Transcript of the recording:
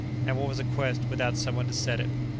And what was a quest without someone to set it?